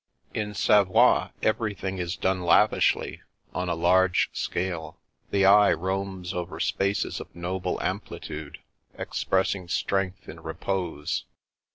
In Savoie everything is done lavishly, on a large scale. The eye roams over spaces of noble ampli tude, expressing strength in repose.